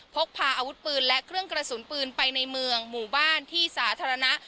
พกพาอาวุธปืนและเครื่องกระสุนปืนไปในเมืองหมู่บ้านที่สาธารณะ